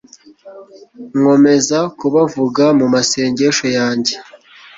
nkomeza kubavuga mu masengesho yanjye